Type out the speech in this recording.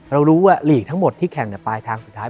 เรารู้ว่าลีกทั้งหมดที่แข่งในปลายทางสุดท้าย